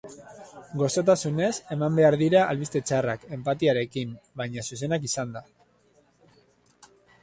Gozotasunez eman behar dira albiste txarrak, enpatiarekin, baina, zuzenak izanda.